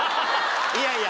いやいや。